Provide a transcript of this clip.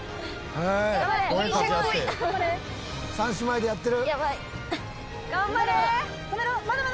「三姉妹でやってる？」